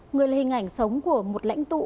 người là hình ảnh sống của một lãnh tụ